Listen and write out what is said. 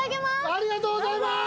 ありがとうございます。